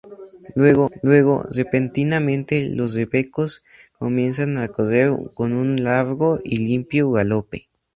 Luego, repentinamente los rebecos comienzan a correr con un largo y limpio galope.